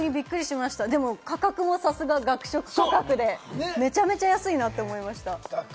価格もさすが学食価格で、めちゃめちゃ安いなと思いました。